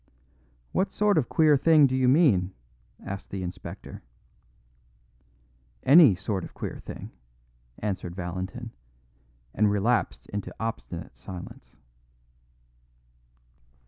"What sort of queer thing do you mean?" asked the inspector. "Any sort of queer thing," answered Valentin, and relapsed into obstinate silence.